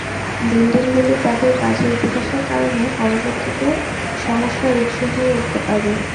বিল্ডিংগুলি তাদের বাজে ইতিহাসের কারণে পরবর্তীতে সমস্যার উৎস হয়ে উঠতে পারে।